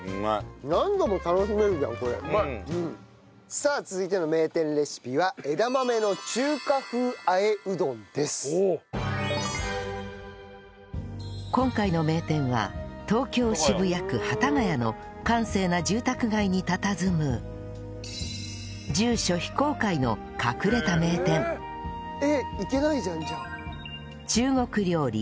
さあ続いての名店レシピは今回の名店は東京渋谷区幡ヶ谷の閑静な住宅街に佇む住所非公開の隠れた名店えっ行けないじゃんじゃあ。